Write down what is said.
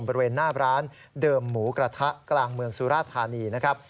บริเวณหน้าร้านเดิมหมูกระทะกลางเมืองสุราธานีนะครับ